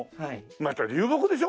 また流木でしょ？